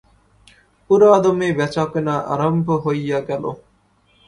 পুরাদমে বেচাকেনা আরম্ভ হইয়া গেল।